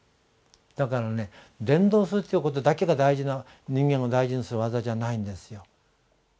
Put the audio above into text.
だからね伝道するということだけが人間を大事にする業じゃないんですよ。